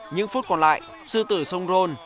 những phút còn lại sư tử songron